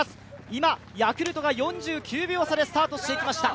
今、ヤクルトが４９秒差でスタートしていきました。